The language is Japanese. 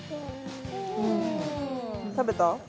食べた？